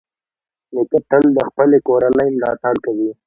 نیکه تل د خپلې کورنۍ ملاتړ کوي.